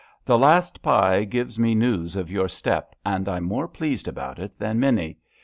The last Pi gives me news of your step, and I^m more pleased about it than many.